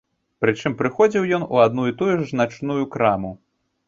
Прычым прыходзіў ён у адну і тую ж начную краму.